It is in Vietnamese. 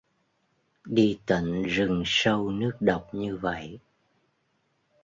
đi tận rừng sâu nước độc như vậy